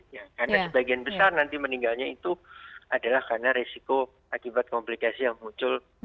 karena sebagian besar nanti meninggalnya itu adalah karena resiko akibat komplikasi yang muncul